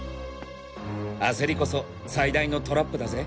焦りこそ最大のトラップだぜ？